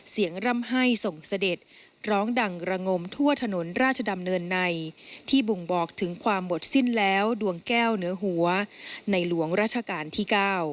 ร่ำให้ส่งเสด็จร้องดังระงมทั่วถนนราชดำเนินในที่บ่งบอกถึงความหมดสิ้นแล้วดวงแก้วเหนือหัวในหลวงราชการที่๙